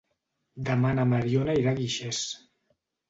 Demà na Mariona irà a Guixers.